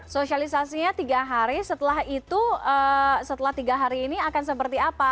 sosialisasinya tiga hari setelah itu setelah tiga hari ini akan seperti apa